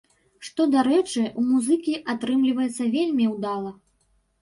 Што, дарэчы, у музыкі атрымліваецца вельмі ўдала.